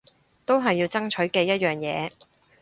都係要爭取嘅一樣嘢